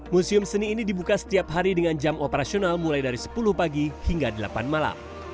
museum seni ini dibuka setiap hari dengan jam operasional mulai dari sepuluh pagi hingga delapan malam